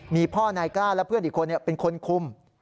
มีพ่อนายกล้าและเพื่อนอีกคนเป็นคนคุม